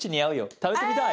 食べてみたい。